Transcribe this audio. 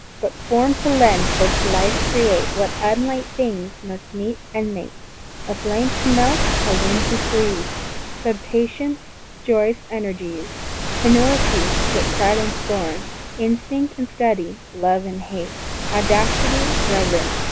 But form to lend, pulsed life create, What unlike things must meet and mate: A flame to melt a wind to freeze; Sad patience joyous energies; Humility yet pride and scorn; Instinct and study; love and hate; Audacity reverence.